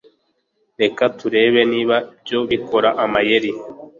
Reka turebe niba ibyo bikora amayeri